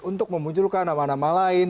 untuk memunculkan nama nama lain